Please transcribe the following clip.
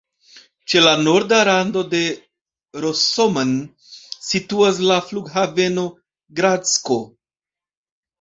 Ĉe la norda rando de Rosoman situas la Flughaveno Gradsko.